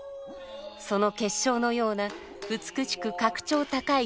その結晶のような美しく格調高い芸に迫ります。